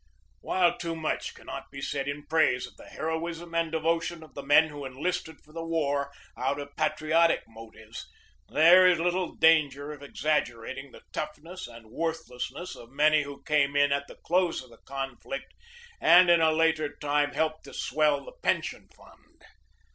While too much cannot be said in praise of the heroism and devotion of the men who enlisted for the war out of patriotic motives, there is little danger of exag gerating the toughness and worthlessness of many who came in at the close of the conflict and, in a later time, helped to swell the pension fund.